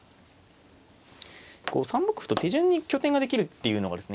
こう３六歩と手順に拠点ができるっていうのがですね